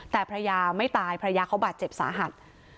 แต่ภรรยาไม่ตายภรรยาเขาบาดเจ็บสาหัส